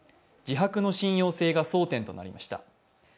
自白の信用性が争点となりました。